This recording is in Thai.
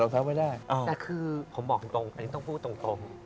แต่คือผมบอกจริงอันนี้ต้องพูดตรง